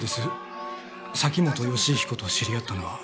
崎本善彦と知り合ったのは。